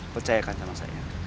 percayakan sama saya